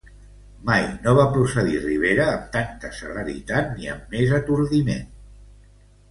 Mai no va procedir Rivera amb tanta celeritat ni amb més atordiment.